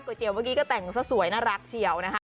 ก๋วยเตี๋ยวเมื่อกี้ก็แต่งสวยน่ารักเฉียวนะครับ